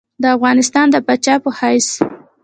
د افغانستان د پاچا په حیث.